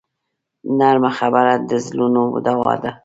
نرمه خبره د زړونو دوا ده